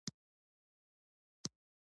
ایا ستاسو ټوکې خندونکې دي؟